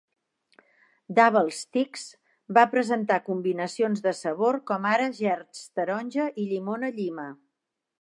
"Double stix" va presentar combinacions de sabor, com ara gerds-taronja i llimona-llima.